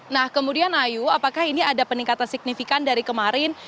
nah kemudian ayu apakah ini ada peningkatan signifikan dari kemarin